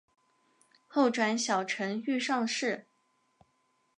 后转小承御上士。